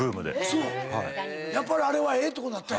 やっぱりあれはええってこと？